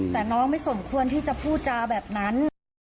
แต่น้องไม่สมควรที่จะพูดจาแบบนั้น